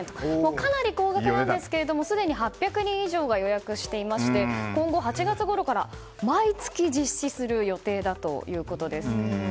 かなり高額なんですがすでに８００人以上が予約していまして今後、８月ごろから毎月実施する予定だということです。